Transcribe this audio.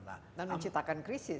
dan menciptakan krisis